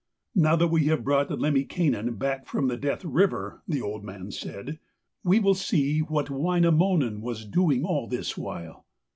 'Now that we have brought Lemminkainen back from the Death river,' the old man said, 'we will see what Wainamoinen was doing all this while.'